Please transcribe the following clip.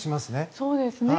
そうですね。